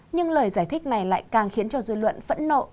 nhưng lời giải thích này lại càng khiến cho dư luận phẫn nộ